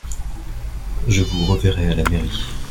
Je vous reverrai à la mairie.